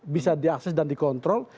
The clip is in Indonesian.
bisa diakses dan dikontrol